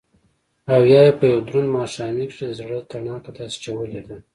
او يا يې په يو دروند ماښامي کښې دزړه تڼاکه داسې چولې ده